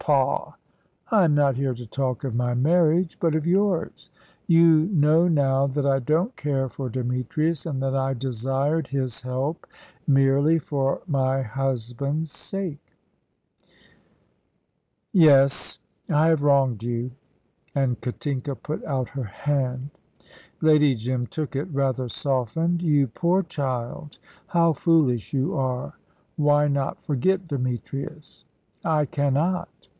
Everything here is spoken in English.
Pah! I am not here to talk of my marriage, but of yours. You know now that I don't care for Demetrius, and that I desired his help merely for my husband's sake." "Yes. I have wronged you"; and Katinka put out her hand. Lady Jim took it, rather softened. "You poor child, how foolish you are! Why not forget Demetrius?" "I cannot."